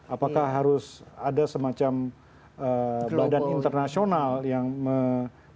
apakah harus ada semacam badan internasional yang menentukan